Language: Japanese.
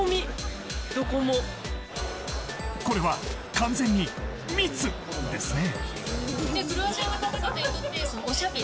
これは、完全に密ですね。